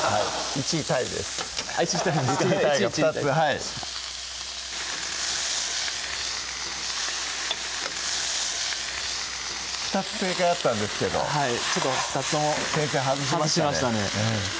１位タイですか１位タイが２つ２つ正解あったんですけどはいちょっと２つとも先生外しましたね外しましたね